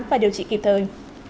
và điều trị kịp thời